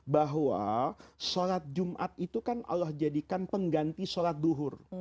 bahwa sholat jumat itu kan allah jadikan pengganti sholat duhur